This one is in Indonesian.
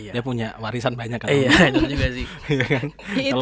dia punya warisan banyak kan